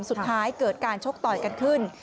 สุดท้ายเกิดการชกต่อยกันขึ้น